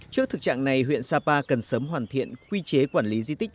trước thực trạng này huyện sapa cần sớm hoàn thiện quy chế quản lý di tích